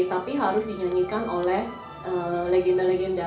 tapi harus dinyanyikan oleh legenda legenda